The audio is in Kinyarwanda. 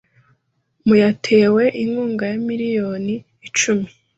mu yatewe inkunga ya miliyoni icumi